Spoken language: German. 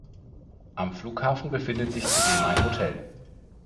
Am Flughafen befindet sich zudem ein Hotel.